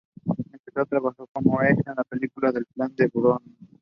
Empezó a trabajar como extra de película en plan de broma.